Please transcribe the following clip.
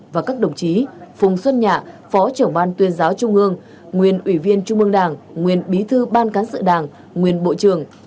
và các đồng chí phùng xuân nhạ phó trưởng ban tuyên giáo trung ương nguyên ủy viên trung ương đảng nguyên bí thư ban cán sự đảng nguyên bộ trưởng